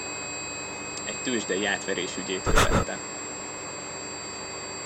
Egy tőzsdei átverés ügyét követte.